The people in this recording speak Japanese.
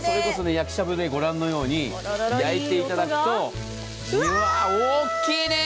焼きしゃぶでご覧のように焼いていただくと大きいね。